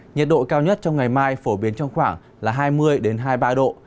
nhiệt độ cao nhất trong ngày mai phổ biến trong khoảng là hai mươi hai mươi ba độ